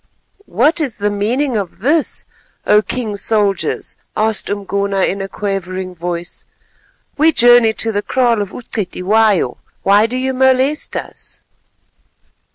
"What is the meaning of this, O King's soldiers?" asked Umgona in a quavering voice. "We journey to the kraal of U'Cetywayo; why do you molest us?"